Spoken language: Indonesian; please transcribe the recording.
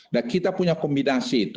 dan kita punya kombinasi